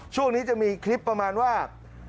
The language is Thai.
ช่วงนี้จะมีคลิปประมาณว่า